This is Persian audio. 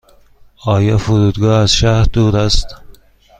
آیا فرودگاه از شهر دور است؟